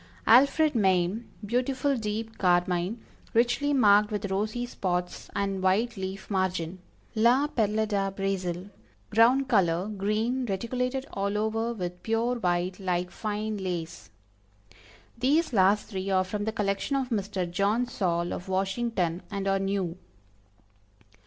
Alfred Mame, beautiful deep carmine, richly marked with rosy spots and white leaf margin. La Perle de Brazil, ground color, green, reticulated all over with pure white, like fine lace. These last three are from the collection of Mr. John Saul of Washington, and are new.